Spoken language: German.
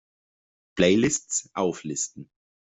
Playlists auflisten!